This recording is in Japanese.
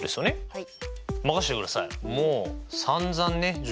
はい。